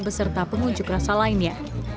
beserta pengunjuk rasa lainnya